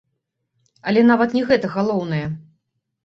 Але нават не гэта галоўнае.